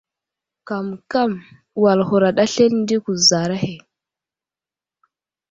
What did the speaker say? Kamkam wal huraɗ aslane di kuzar ahe.